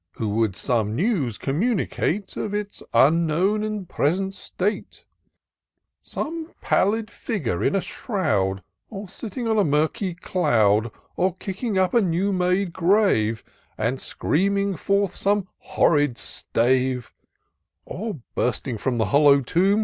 Who would some news communicate Of its unknown and present state : Some pallid figure in a shroud. Or sitting on a murky cloud ; Or kicking up a new made grave. And screaming forth some horrid stave ; Or bursting from the hollow tomb.